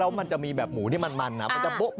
แล้วมันจะมีแบบหมูที่มันนะมันจะโบ๊ะ